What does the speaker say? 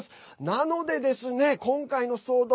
なのでですね、今回の騒動